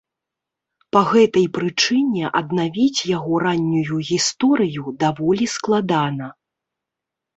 Па гэтай прычыне аднавіць яго раннюю гісторыю даволі складана.